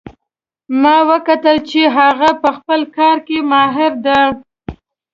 ما وکتل چې هغه په خپل کار کې ماهر ده